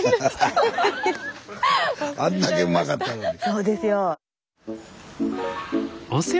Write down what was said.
そうですよ。